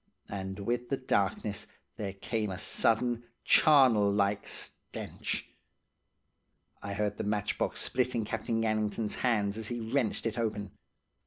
And with the darkness there came a sudden charnel like stench. "I heard the matchbox split in Captain Gannington's hands as he wrenched it open.